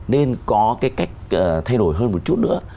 nên có cái cách thay đổi hơn một chút nữa